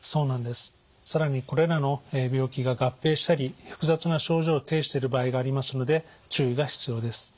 更にこれらの病気が合併したり複雑な症状を呈している場合がありますので注意が必要です。